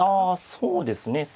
そうですね。